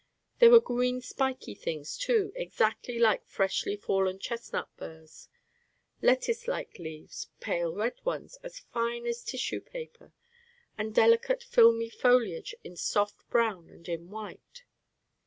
There were green spiky things, too, exactly like freshly fallen chestnut burrs, lettuce like leaves, pale red ones, as fine as tissue paper, and delicate filmy foliage in soft brown and in white.